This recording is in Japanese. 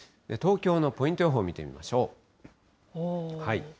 東京のポイント予報見てみましょう。